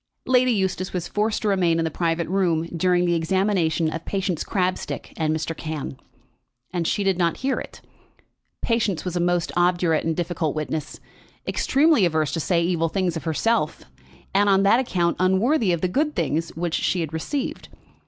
Lady Eustace was forced to remain in the private room during the examination of Patience Crabstick and Mr. Cann; and she did not hear it. Patience was a most obdurate and difficult witness, extremely averse to say evil of herself, and on that account unworthy of the good things which she had received.